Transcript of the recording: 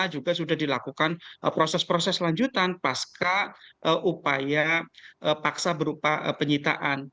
juga sudah dilakukan proses proses lanjutan pasca upaya paksa berupa penyitaan